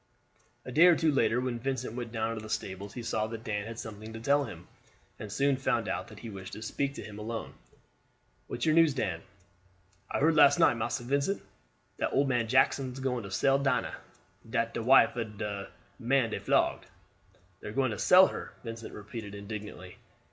A day or two later when Vincent went down to the stables he saw that Dan had something to tell him, and soon found out that he wished to speak to him alone. "What is your news, Dan?" "I heard last night, Massa Vincent, that old man Jackson is going to sell Dinah; dat de wife ob de man dey flogged." "They are going to sell her!" Vincent repeated indignantly.